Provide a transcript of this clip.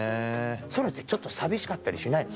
そういうのってちょっと寂しかったりしないの？